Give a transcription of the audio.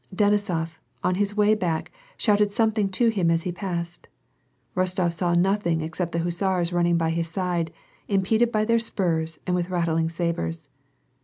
Denisof, on his way back shouted something to him as he passed. Rostof saw nothing except the hussars running by his side, impeded by their spurs and with rattling sabres.